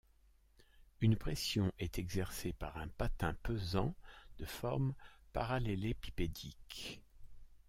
Une pression est exercée par un patin pesant de forme parallélépipédique.